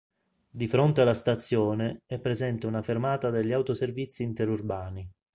Di fronte alla stazione è presente una fermata degli autoservizi interurbani.